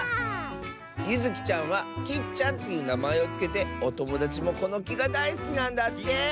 ゆずきちゃんは「きっちゃん」っていうなまえをつけておともだちもこのきがだいすきなんだって！